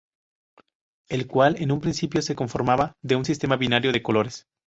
El cual en un principio se conformaba de un sistema binario de colores.